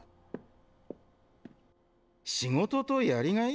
「仕事とやりがい」？